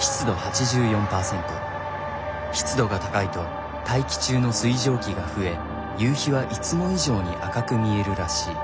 湿度が高いと大気中の水蒸気が増え夕日はいつも以上に赤く見えるらしい。